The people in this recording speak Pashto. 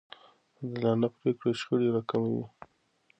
عادلانه پرېکړې شخړې راکموي.